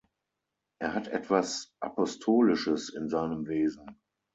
Er hat etwas Apostolisches in seinem Wesen.